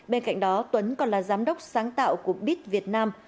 bên cạnh đó tuấn còn là giám đốc sáng tạo của bit việt nam